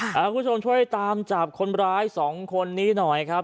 คุณผู้ชมช่วยตามจับคนร้ายสองคนนี้หน่อยครับ